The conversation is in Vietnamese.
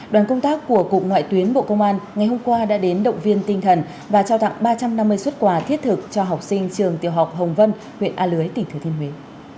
đoàn công tác của cục ngoại tuyến bộ công an ngày hôm qua đã đến động viên tinh thần và trao tặng ba trăm năm mươi xuất quà thiết thực cho học sinh trường tiểu học hồng vân huyện a lưới tỉnh thừa thiên huế